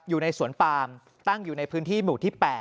อยู่ในสวนปามตั้งอยู่ในพื้นที่หมู่ที่๘